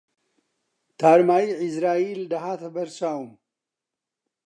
تارماییی عیزراییل دەهاتە بەر چاوم